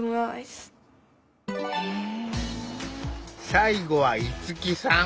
最後は逸樹さん。